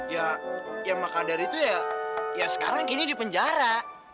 ya ya maka dari itu ya sekarang kini dipenjara